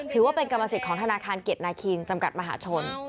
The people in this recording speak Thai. ความสิทธิ์ของธนาคารเกียรตินาคีนจำกัดมหาชน